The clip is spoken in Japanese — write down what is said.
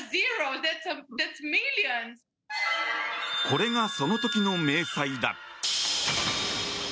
これが、その時の明細だ。